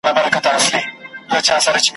اوس د هغه محفل په شپو کي پېریانان اوسېږي `